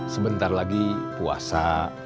sebentar lagi puasa